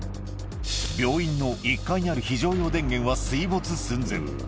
病院の１階にある非常用電源は水没寸前。